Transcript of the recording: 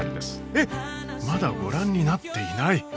えっまだご覧になっていない！？